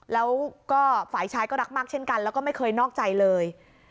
แล้วก็ฝ่ายชายก็รักมากเช่นกันแล้วก็ไม่เคยนอกใจเลย